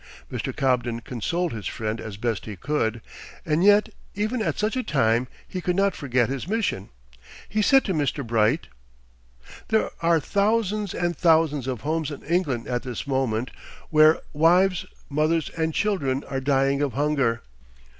Mr. Cobden consoled his friend as best he could; and yet even at such a time he could not forget his mission. He said to Mr. Bright: "There are thousands and thousands of homes in England at this moment, where wives, mothers, and children are dying of hunger!